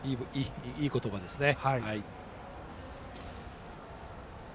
いい言葉ですね。